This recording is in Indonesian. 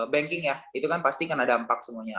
banking ya itu kan pasti kena dampak semuanya